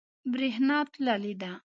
بریښنا تللی ده